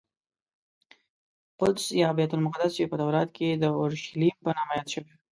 قدس یا بیت المقدس چې په تورات کې د اورشلیم په نامه یاد شوی.